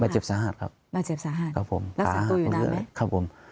บาดเจ็บสาหัสครับบาดเจ็บสาหัสครับผมขาหักครับผม